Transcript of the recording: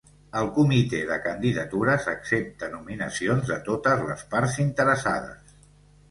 El Comitè de Candidatures accepta nominacions de totes les parts interessades.